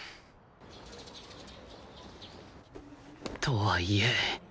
とはいえ